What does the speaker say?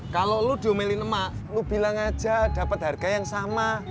kalau lo diomelin emak lo bilang aja dapat harga yang sama